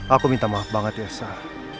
aku minta maaf banget ya sah